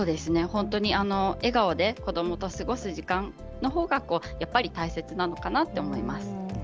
本当に笑顔で子どもと過ごす時間のほうがやはり大切なのかなと思います。